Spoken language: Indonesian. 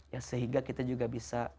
ya sehingga kita juga bisa